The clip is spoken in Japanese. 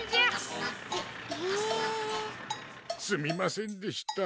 すみませんでした。